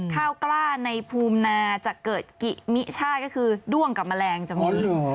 ข้าวกล้าในภูมินาจะเกิดกิมิช่าก็คือด้วงกับแมลงจะมีอยู่